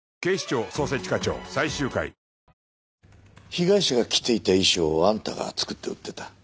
被害者が着ていた衣装をあんたが作って売ってた。